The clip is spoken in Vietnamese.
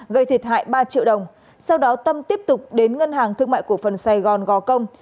gây thiệt hại ba triệu đồng sau đó tâm tiếp tục đến ngân hàng thương mại cổ phần sài gòn gò công